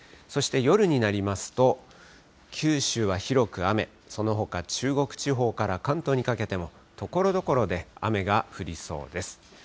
そして夜になりますと、九州は広く雨、そのほか、中国地方から関東にかけてもところどころで雨が降りそうです。